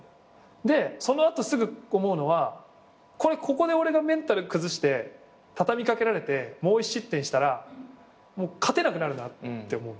でその後すぐ思うのはここで俺がメンタル崩して畳み掛けられてもう１失点したら勝てなくなるなって思う。